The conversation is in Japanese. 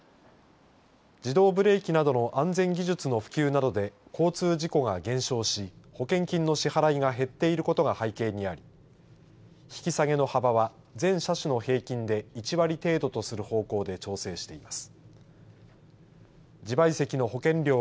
自動ブレーキなどの安全技術の普及などで交通事故が減少し保険金の支払いが減っていることが背景にあり、引き下げの幅は全車種の平均で１割程度とする方向で調整しています。